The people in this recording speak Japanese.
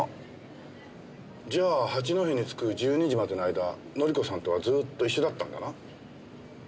じゃあ八戸に着く１２時までの間紀子さんとはずっと一緒だったんだな？